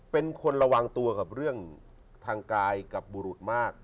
เป็นคนระวังตัวกับเรื่องทางกายกับบุรุษมาก